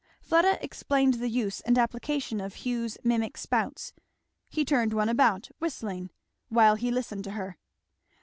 Fleda explained the use and application of Hugh's mimic spouts. He turned one about, whistling, while he listened to her.